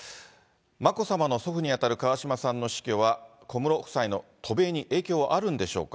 眞子さまの祖父に当たる川嶋さんの死去は、小室夫妻の渡米に影響はあるんでしょうか。